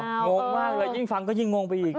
งงมากเลยยิ่งฟังก็ยิ่งงงไปอีก